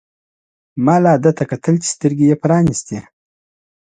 ما لا ده ته کتل چې سترګې يې پرانیستې.